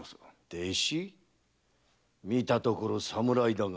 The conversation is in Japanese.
見たところ侍だが？